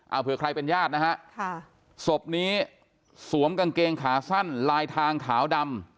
เอาเผื่อใครเป็นญาตินะฮะค่ะศพนี้สวมกางเกงขาสั้นลายทางขาวดำ